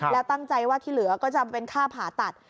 แล้วตั้งใจว่าที่เหลือก็จะเป็นค่าผ่าตัด